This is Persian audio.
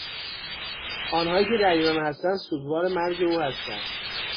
آنهایی که در ایران هستند سوگوار مرگ او هستند